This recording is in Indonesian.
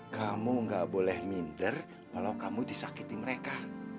kamu gak boleh minder kalau kamu disakiti mereka